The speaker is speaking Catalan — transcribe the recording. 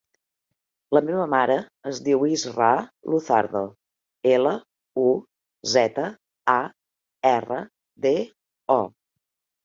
La meva mare es diu Israa Luzardo: ela, u, zeta, a, erra, de, o.